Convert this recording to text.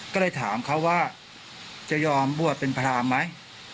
ก็เลยถามเขาว่าจะยอมบวชเป็นพรามไหม